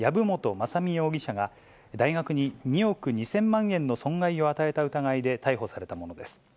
雅巳容疑者が、大学に２億２０００万円の損害を与えた疑いで逮捕されたものです。